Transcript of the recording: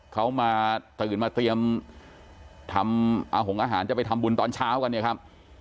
เขามาตื่นมาเตรียมทำหงอาหารจะไปทำบุญตอนเช้ากันเนี่ยครับ